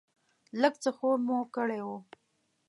لږ څه خوب مو کړی و.